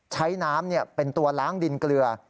ใช้น้ำเป็นตัวล้างดินเกลือ